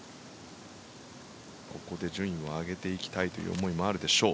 ここで順位を上げていきたい思いもあるでしょう。